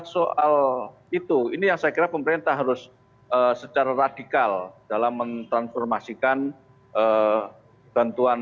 soal itu ini yang saya kira pemerintah harus secara radikal dalam mentransformasikan bantuan